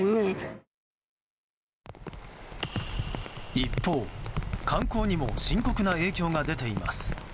一方、観光にも深刻な影響が出ています。